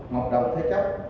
ngọc đồng thế chấp